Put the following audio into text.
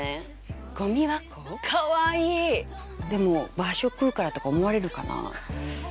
でも場所を食うからとか思われるかな？